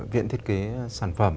viện thiết kế sản phẩm